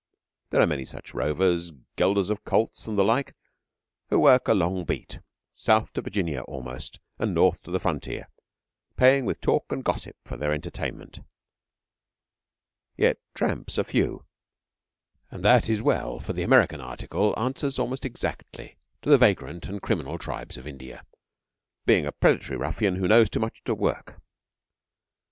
There are many such rovers, gelders of colts and the like, who work a long beat, south to Virginia almost, and north to the frontier, paying with talk and gossip for their entertainment. Yet tramps are few, and that is well, for the American article answers almost exactly to the vagrant and criminal tribes of India, being a predatory ruffian who knows too much to work.